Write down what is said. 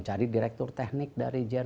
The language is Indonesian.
coba disini sepak bola udah dikirimkan